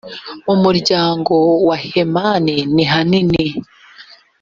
mu muryango wa hemani nihanini